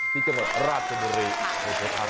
ที่จังหวัดราชบุรีอุทธาราชนะครับ